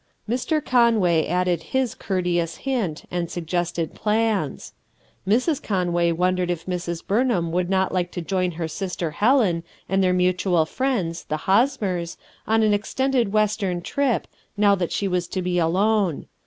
Mr. Conway added his courteous hint, and suggested plans. Mrs. Conway wondered if Mrs, Burnham would not like to join her sister Helen and their mutual friends, the Hosincrs, on an extended Western trip, now that she was to be alone.